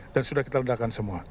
dan sudah kita ledakan semua